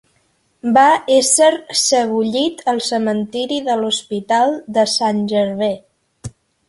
Va ésser sebollit al cementiri de l'hospital de Saint-Gervais.